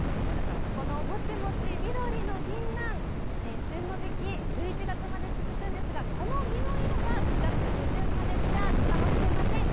このもちもち、緑のぎんなん、旬の時期、１１月まで続くんですが、この実の色は９月下旬までしか楽しめません。